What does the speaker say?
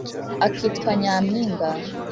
akitwa "nyampinga'